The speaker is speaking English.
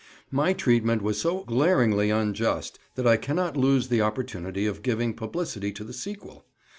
My treatment was so glaringly unjust that I cannot lose the opportunity of giving publicity to the sequel.